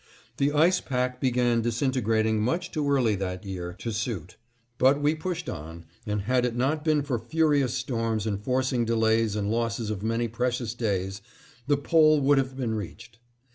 The ice pack began disintegrating much too early that year to suit, but we pushed on, and had it not been for furious storms enforcing delays and losses of many precious days, the Pole would have been reached.